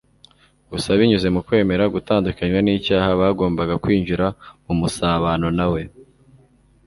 Gusa binyuze mu kwemera gutandukanywa n'icyaha, bagombaga kwinjira mu musabano na we